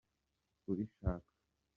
kubishaka.